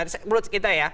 menurut kita ya